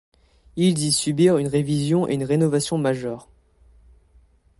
Ils y subirent une révision et une rénovation majeures.